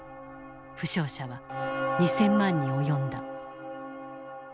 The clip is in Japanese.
負傷者は２，０００万に及んだ。